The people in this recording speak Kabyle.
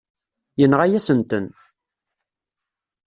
Yenɣa-yasen-ten.